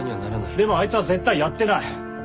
でもあいつは絶対やってない！